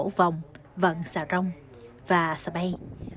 áo cổ vòng vận xà rong và xà bay